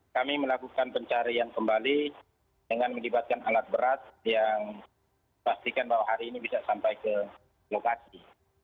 kami melakukan pencarian kembali dengan melibatkan alat berat yang pastikan bahwa hari ini bisa sampai ke lokasi